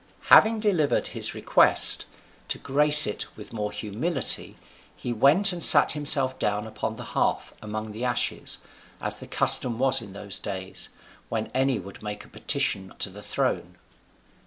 Having delivered his request, to grace it with more humility he went and sat himself down upon the hearth among the ashes, as the custom was in those days when any would make a petition to the throne.